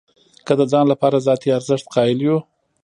که د ځان لپاره ذاتي ارزښت قایل یو.